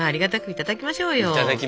いただきましょう。